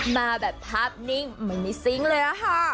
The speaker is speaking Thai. มาแบบพับนิ่งมันไม่ซิ้งเลย